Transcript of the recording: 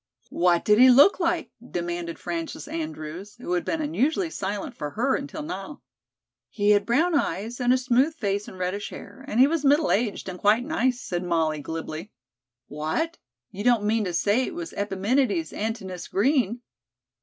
"What did he look like?" demanded Frances Andrews, who had been unusually silent for her until now. "He had brown eyes and a smooth face and reddish hair, and he was middle aged and quite nice," said Molly glibly. "What, you don't mean to say it was Epiménides Antinous Green?"